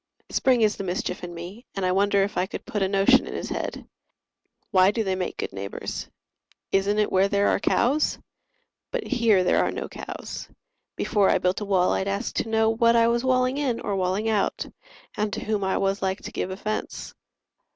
Spring is the mischief in me, and I wonder If I could put a notion in his head: "Why do they make good neighbours? Isn't it Where there are cows? But here there are no cows. Before I built a wall I'd ask to know What I was walling in or walling out, And to whom I was like to give offence.